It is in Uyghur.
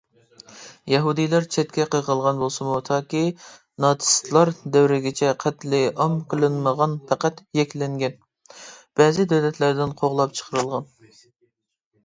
يەھۇدىيلار چەتكە قېقىلغان بولسىمۇ، تاكى ناتسىستلار دەۋرىگىچە قەتلىئام قىلىنمىغان، پەقەت يەكلەنگەن، بەزى دۆلەتلەردىن قوغلاپ چىقىرىلغان.